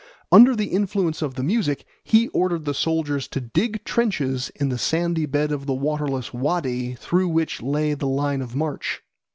Under the influence of the music he ordered the soldiers to dig trenches in the sandy bed of the waterless waddy through which lay the line of march.